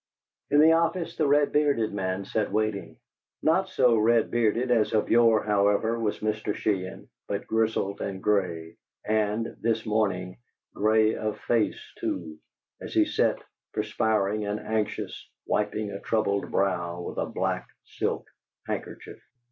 In the office the red bearded man sat waiting. Not so red bearded as of yore, however, was Mr. Sheehan, but grizzled and gray, and, this morning, gray of face, too, as he sat, perspiring and anxious, wiping a troubled brow with a black silk handkerchief.